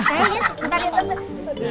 sebentar ya tante